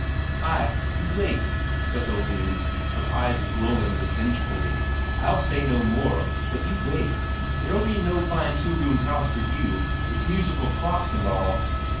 "Ay, you wait," says Oline, her eyes glowing revengefully. "I'll say no more but you wait there'll be no fine two roomed house for you, with musical clocks and all."